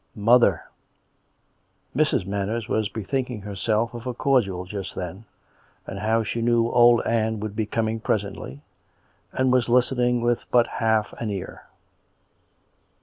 Mother !..." Mrs. Manners was bethinking herself of a cordial just then, and how she knew old Ann would be coming pres ently, and was listening with but half an ear.